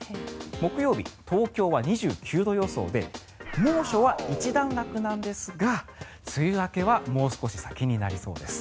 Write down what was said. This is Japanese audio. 木曜日、東京は２９度予想で猛暑は一段落なんですが梅雨明けはもう少し先になりそうです。